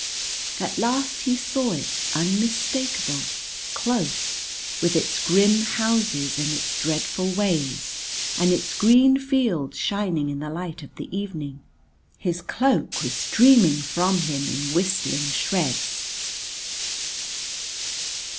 At last he saw it unmistakable, close, with its grim houses and its dreadful ways, and its green fields shining in the light of the evening. His cloak was streaming from him in whistling shreds.